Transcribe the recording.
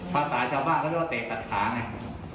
ภาษาเจ้าบ้านก็เรียกว่าเตะตัดขาไง